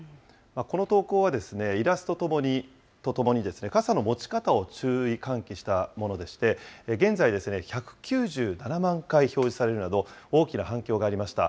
この投稿はイラストとともに、傘の持ち方を注意喚起したものでして、現在、１９７万回表示されるなど、大きな反響がありました。